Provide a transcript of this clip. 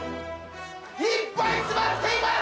いっぱい詰まっています！